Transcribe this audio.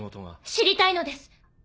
知りたいのです。